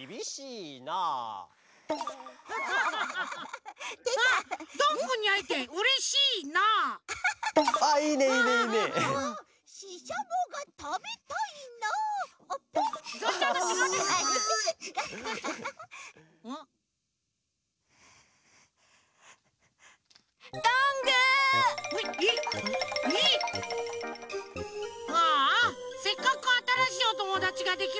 ああせっかくあたらしいおともだちができるとおもったのにな。